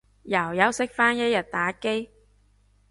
又休息返一日打機